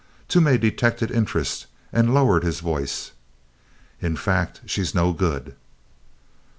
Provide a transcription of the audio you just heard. Toomey detected interest and lowered his voice. "In fact, she's no good."